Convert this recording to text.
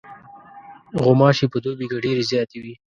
غوماشې په دوبي کې ډېرې زیاتې وي.